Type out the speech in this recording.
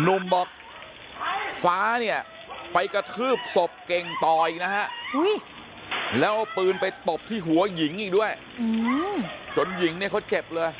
หนุ่มบอกฟ้าเนี่ยไปกระทืบศพเก่งต่ออีกนะฮะแล้วเอาปืนไปตบที่หัวหญิงอีกด้วยจนหญิงเนี่ยเขาเจ็บเลย